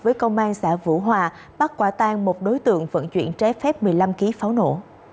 với công an xã vũ hòa bắt quả tan một đối tượng vận chuyển trái phép một mươi năm kg pháo nổ